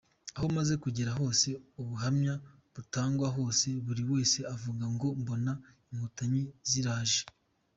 Aho maze kugera hose ubuhamya butangwa busoza buri wese avuga ngo ’Mbona Inkotanyi ziraje’.